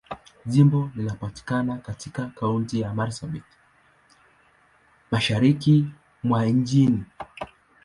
Jimbo linapatikana katika Kaunti ya Marsabit, Mashariki mwa nchi.